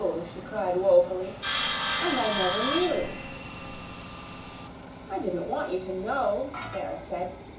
she cried woefully. "And I never knew!" "I didn't want you to know," Sara said.